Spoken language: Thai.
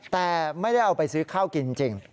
แต่ไม่ได้เอาไปซื้อข้าวกินจริง